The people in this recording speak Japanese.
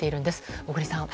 小栗さん。